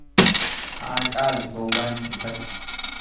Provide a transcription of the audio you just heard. Haa caalu gowwaan sirbatti.